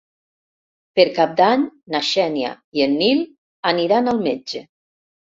Per Cap d'Any na Xènia i en Nil aniran al metge.